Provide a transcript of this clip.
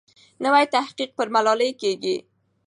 نوی تحقیق پر ملالۍ کېږي.